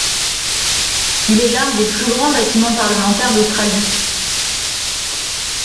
Il est l'un des plus grands bâtiments parlementaires d'Australie.